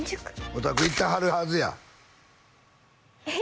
おたく行ってはるはずやえっ？